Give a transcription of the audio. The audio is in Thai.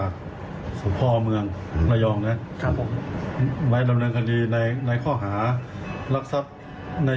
คือรอผลอยู่ใช่ไหมนะคะตอนนี้